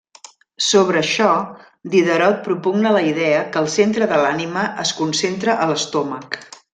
Sobre això, Diderot propugna la idea que el centre de l'ànima es concentra a l'estómac.